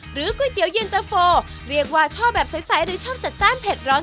ก๋วยเตี๋ยวเย็นเตอร์โฟเรียกว่าชอบแบบใสหรือชอบจัดจ้านเผ็ดร้อน